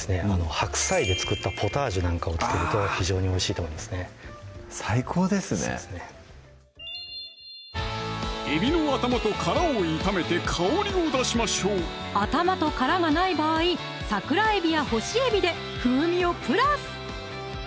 白菜で作ったポタージュなんかを付けると非常においしいと思いますね最高ですねえびの頭と殻を炒めて香りを出しましょう頭と殻がない場合桜えびや干しえびで風味をプラス